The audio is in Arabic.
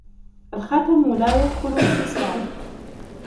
الخاتم لا يدخل في إصبعي.